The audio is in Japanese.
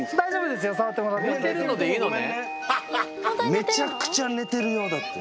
めちゃくちゃ寝てるよだって。